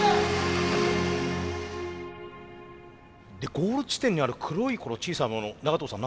ゴール地点にある黒いこの小さなもの長藤さん